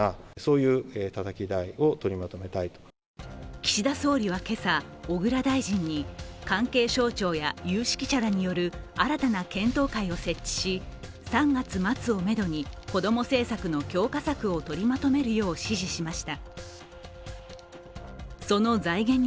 岸田総理は今朝、小倉大臣に関係省庁や有識者らによる新たな検討会を設置し３月末をめどにこども政策の強化策を取りまとめるよう指示しました。